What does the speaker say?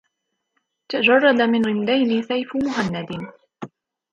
تجرد من غمدين سيف مهند